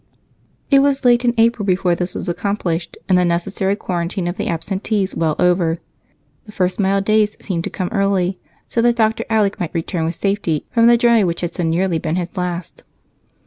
It was late in April before this was accomplished, and the necessary quarantine of the absentees well over. The first mild days seemed to come early, so that Dr. Alec might return with safety from the journey which had so nearly been his last.